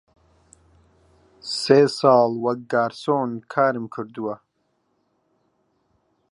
سێ ساڵ وەک گارسۆن کارم کردووە.